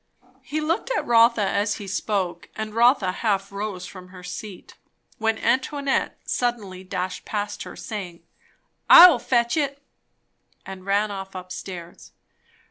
He looked at Rotha as he spoke, and Rotha half rose from her seat; when Antoinette suddenly dashed past her, saying, "I will fetch it" and ran off up stairs.